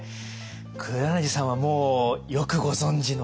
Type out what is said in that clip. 黒柳さんはもうよくご存じの？